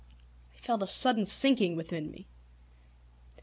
I felt a sudden sinking within me.